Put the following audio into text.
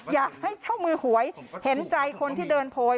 อยากให้เช่ามือหวยเห็นใจคนที่เดินโพย